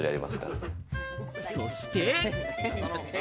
そして。